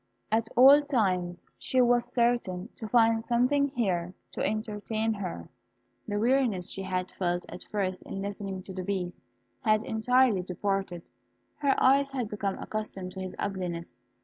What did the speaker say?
At all times she was certain to find something here to entertain her. The weariness she had felt at first in listening to the Beast had entirely departed. Her eyes had become accustomed to his ugliness.